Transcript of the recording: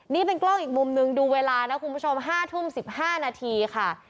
นี่เป็นกล้องอีกมุมนึงดูเวลานะคุณผู้ชม๕ทุ่ม๑๕นาทีค่ะ